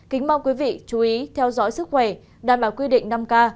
kính mong quý vị chú ý theo dõi sức khỏe đảm bảo quy định năm k